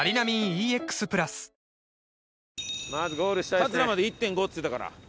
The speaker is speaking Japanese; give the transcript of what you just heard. カツラまで１．５っつってたから。